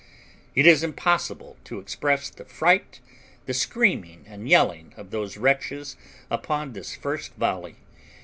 It is impossible to express the fright, the screaming and yelling of those wretches upon this first volley.